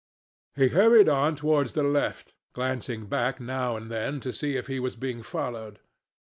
He hurried on towards the left, glancing back now and then to see if he was being followed.